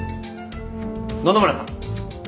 野々村さん。